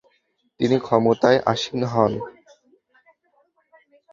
তিনি ক্ষমতায় আসীন হন।